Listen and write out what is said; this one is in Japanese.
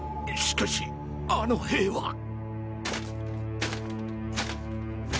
しかしあの兵は？